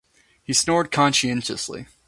He snored conscientiously.